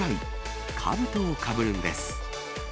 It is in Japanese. かぶとをかぶるんです。